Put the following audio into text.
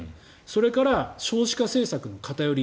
それから、少子化政策の偏り。